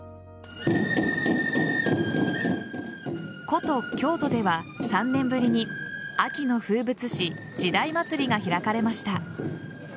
古都・京都では３年ぶりに秋の風物詩時代祭が開かれました。